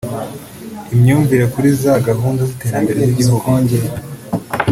Imyumvire kuri za gahunda z’iterambere z’igihugu